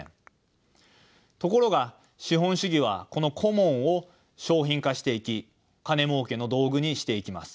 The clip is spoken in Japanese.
ところが資本主義はこのコモンを商品化していき金もうけの道具にしていきます。